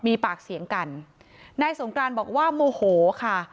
มีปากเสียงกันนายสงกรานบอกว่าโมโหค่ะ